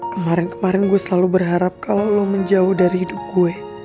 kemarin kemarin gue selalu berharap kalau lo menjauh dari hidup gue